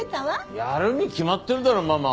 やるに決まってるだろママ。